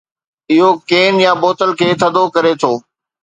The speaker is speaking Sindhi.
اهو ڪين يا بوتل کي ٿڌو ڪري ٿو.